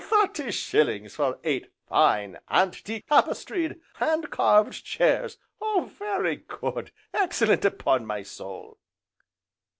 Thirty shillings for eight, fine, antique, tapestried, hand carved chairs, Oh very good, excellent, upon my soul!"